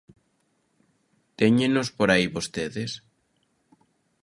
¿Téñenos por aí vostedes?